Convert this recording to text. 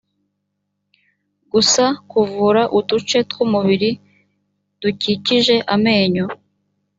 gusa kuvura uduce tw umubiri dukikije amenyo